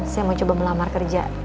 saya mau coba melamar kerja